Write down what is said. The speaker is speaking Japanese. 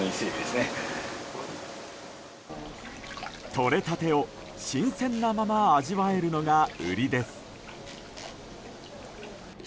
とれたてを新鮮なまま味わえるのが売りです。